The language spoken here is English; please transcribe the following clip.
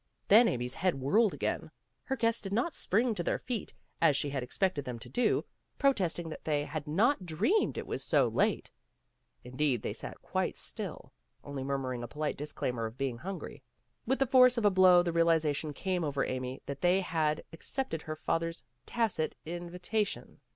Then Amy's head whirled again. Her guests did not spring to their feet as she had ex pected them to do, protesting that they had not 12 PEGGY RAYMOND'S WAY dreamed it was so late. Instead they sat quite still, only murmuring a polite disclaimer of being hungry. With the force of a blow the realization came over Amy that they had ac cepted her father 's tacit invitation.